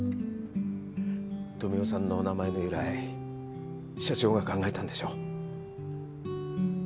富生さんのお名前の由来社長が考えたんでしょ？